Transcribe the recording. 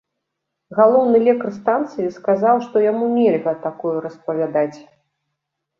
Галоўны лекар станцыі сказаў, што яму нельга такое распавядаць.